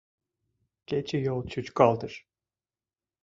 Кечыйол чӱчкалтыш